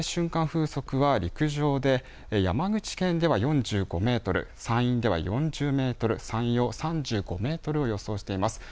風速は陸上で山口県では４５メートル、山陰では４０メートル、山陽３５メートルを予想しています。